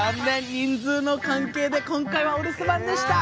人数の関係で今回はお留守番でした。